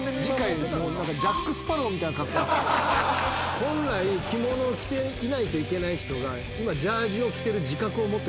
本来着物を着ていないといけない人が今。